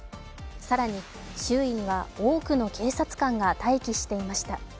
更に周囲には多くの警察官が待機していました